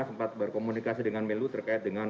sempat berkomunikasi dengan melu terkait dengan